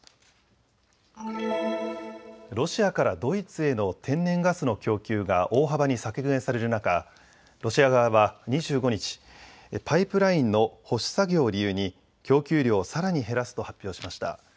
ロシアからドイツへの天然ガスの供給が大幅に削減される中、ロシア側は２５日、パイプラインの保守作業を理由に供給量をさらに減らすと発表しました。